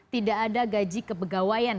tidak ada gaji kepegawaian